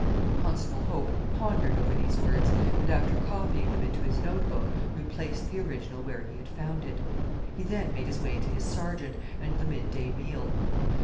Constable Hope pondered over these words, and after copying them into his notebook replaced the original where he had found it. He then made his way to his Sergeant and the mid day meal.